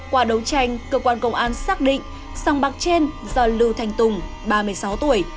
quả đấu tranh cơ quan công an xác định song bạc trên do lưu thành tùng ba mươi sáu tuổi